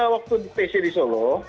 waktu pc di solo